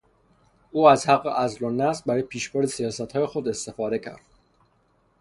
او از حق عزل و نصب برای پیشبرد سیاستهای خود استفاده کرد.